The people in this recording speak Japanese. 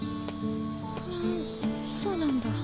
ふんそうなんだ。